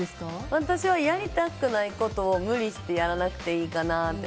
私はやりたくないことを無理してやらなくていいかなって。